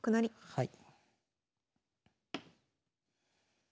はい。